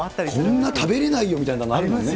こんな食べれないよみたいのあるよね。